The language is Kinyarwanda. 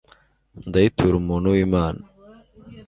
ndayitura umuntu w'imana